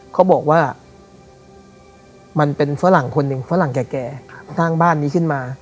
เขาบอกว่ามันเป็นฝรั่งคนหนึ่งฝรั่งแก่สร้างบ้านนี้ขึ้นมา